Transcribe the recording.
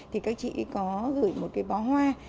thì các chị có gửi một cái bó hoa